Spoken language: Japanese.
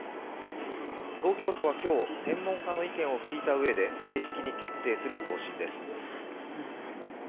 東京都は今日、専門家の意見を聞いたうえで正式に決定する方針です。